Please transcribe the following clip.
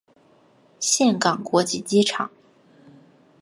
岘港国际机场。